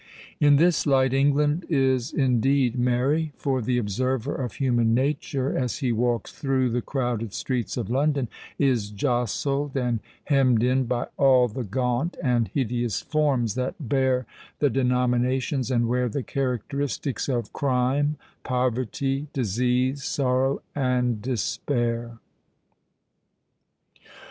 In this light, England is indeed merry; for the observer of human nature, as he walks through the crowded streets of London, is jostled and hemmed in by all the gaunt and hideous forms that bear the denominations and wear the characteristics of Crime—Poverty—Disease—Sorrow—and Despair!